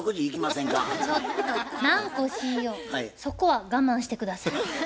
そこは我慢して下さい。